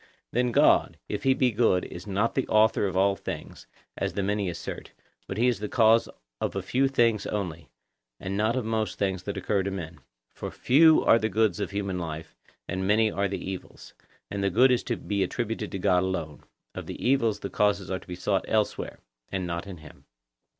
Then God, if he be good, is not the author of all things, as the many assert, but he is the cause of a few things only, and not of most things that occur to men. For few are the goods of human life, and many are the evils, and the good is to be attributed to God alone; of the evils the causes are to be sought elsewhere, and not in him.